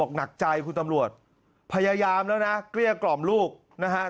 หนักใจคุณตำรวจพยายามแล้วนะเกลี้ยกล่อมลูกนะฮะ